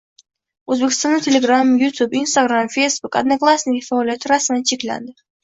O‘zbekistonda Telegram, YouTube, Instagram, Facebook, Odnoklassniki faoliyati rasman cheklandi